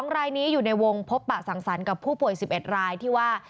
๒รายนี้อยู่ในวงพบปะสังสรรค์กับผู้ป่วย๑๑รายที่ว่า